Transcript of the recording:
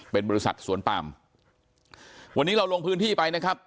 เป็นบริษัทสวนปามวันนี้เราลงพื้นที่ไปนะครับ